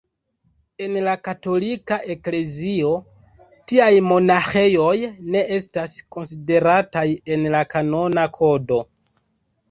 En la Katolika Eklezio tiaj monaĥejoj ne estas konsiderataj en la Kanona Kodo.